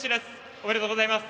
おめでとうございます。